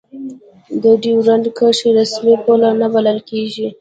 د دیورند کرښه رسمي پوله نه بلله کېږي.